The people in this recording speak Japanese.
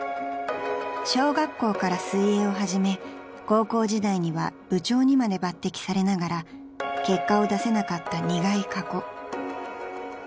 ［高校時代には部長にまで抜てきされながら結果を出せなかった苦い過去］